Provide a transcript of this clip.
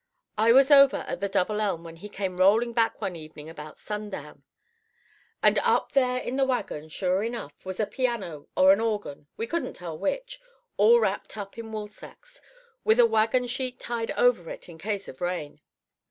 I was over at the Double Elm when he came rolling back one evening about sundown. And up there in the wagon, sure enough, was a piano or a organ—we couldn't tell which—all wrapped up in woolsacks, with a wagon sheet tied over it in case of rain.